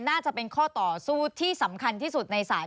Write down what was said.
น่าจะเป็นข้อต่อสู้ที่สำคัญที่สุดในศาล